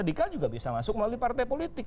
radikal juga bisa masuk melalui partai politik